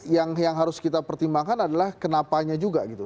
yang harus kita pertimbangkan adalah kenapanya juga gitu